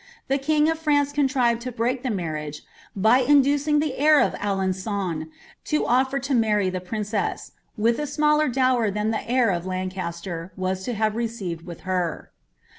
the king of France to break the marriage, by inducing the heir of Alenqon to afkt U> miRy the princess, with a smaller duwer than the lieir of Ijuicasier wtt ui hare received with her."'